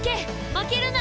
負けるな！